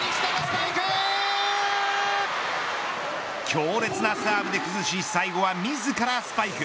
強烈なサーブで崩し最後は自らスパイク。